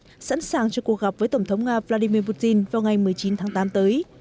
nga sẵn sàng cho cuộc gặp với tổng thống nga vladimir putin vào ngày một mươi chín tháng tám tới